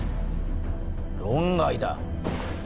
論外だ。